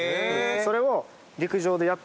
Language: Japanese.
それを。